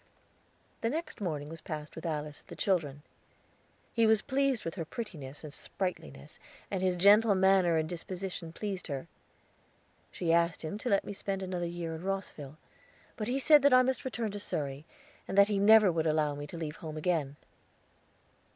The next morning was passed with Alice and the children. He was pleased with her prettiness and sprightliness, and his gentle manner and disposition pleased her. She asked him to let me spend another year in Rosville; but he said that I must return to Surrey, and that he never would allow me to leave home again.